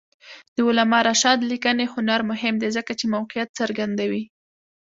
د علامه رشاد لیکنی هنر مهم دی ځکه چې موقعیت څرګندوي.